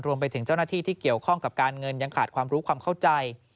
เจ้าหน้าที่ที่เกี่ยวข้องกับการเงินยังขาดความรู้ความเข้าใจ